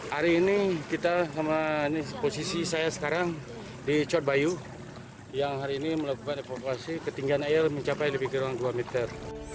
hari ini kita posisi saya sekarang di cot bayu yang hari ini melakukan evakuasi ketinggian air mencapai lebih kurang dua meter